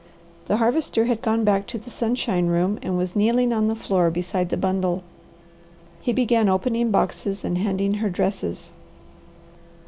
The Harvester had gone back to the sunshine room, and was kneeling on the floor beside the bundle. He began opening boxes and handing her dresses.